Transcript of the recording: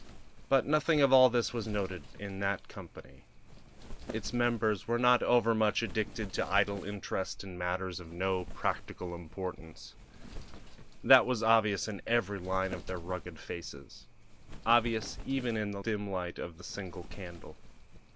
But nothing of all this was noted in that company; its members were not overmuch addicted to idle interest in matters of no practical importance; that was obvious in every line of their rugged faces obvious even in the dim light of the single candle.